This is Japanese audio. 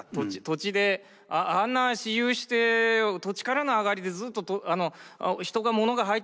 土地であんな私有して土地からの上がりでずっと人が物が入ってくる状態